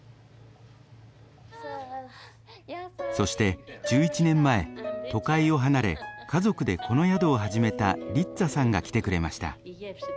そして１１年前都会を離れ家族でこの宿を始めたリッツァさんが来てくれました。